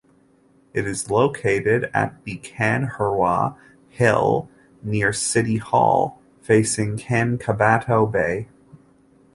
It is located at the Kanhuraw Hill near City Hall, facing Kankabato Bay.